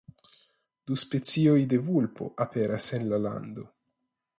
Du specioj de vulpo aperas en la lando.